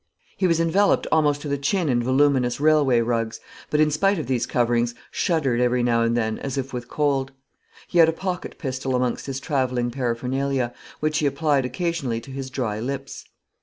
He was enveloped almost to the chin in voluminous railway rugs, but, in spite of these coverings, shuddered every now and then, as if with cold. He had a pocket pistol amongst his travelling paraphernalia, which he applied occasionally to his dry lips.